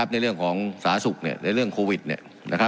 ในเรื่องของสาธารณสุขในเรื่องโควิด